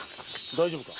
大丈夫か？